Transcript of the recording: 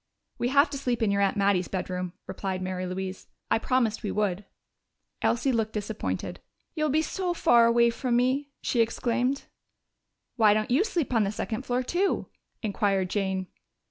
"We have to sleep in your aunt Mattie's bedroom," replied Mary Louise. "I promised we would." Elsie looked disappointed. "You'll be so far away from me!" she exclaimed. "Why don't you sleep on the second floor too?" inquired Jane.